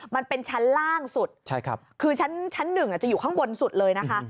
มันเป็นชั้นล่างสุดคือชั้นหนึ่งจะอยู่ข้างบนสุดเลยนะคะ